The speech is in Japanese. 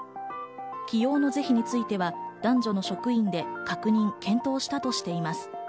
起用の是非については男女の職員で、確認・検討したとしています。